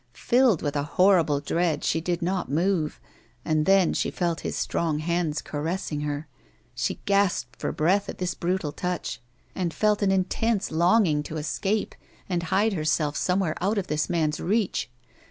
Filled with a horrible dread, she did not move, and then she felt his strong hands caressing her. She gasped for breath at this brutal touch, and felt an intense longing to escape and hide herself somewhere out of this man's reach.